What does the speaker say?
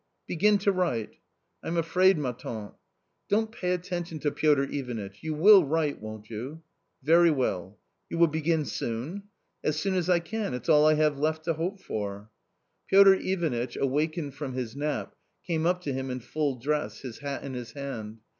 " Begin to write." " I'm afraid, ma tante? " Don't pay attention to Piotr Ivanitch ; you will write, won't you ?"" Very well." " You* will begin soon ?"" As soon as I can. It's all I have left to hope for." Piotr Ivanitch, awakened from his nap, came up to him in full dress, his hat in his hand.